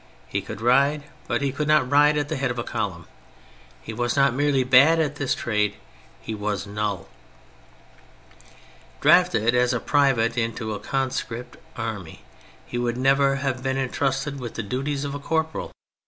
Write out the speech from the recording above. He could ride, but he could not ride at the head of a column. He was not merely bad at this trade, he was nuL Drafted as a private into a conscript army, he would never have been entrusted with the duties of a corporal.